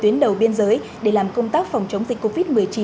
tuyến đầu biên giới để làm công tác phòng chống dịch covid một mươi chín